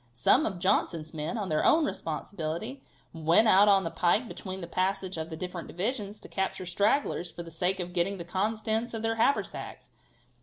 Some of Johnson's men, on their own responsibility, went out on the pike between the passage of the different divisions, to capture stragglers for the sake of getting the contents of their haversacks.